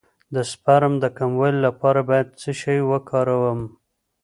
د سپرم د کموالي لپاره باید څه شی وکاروم؟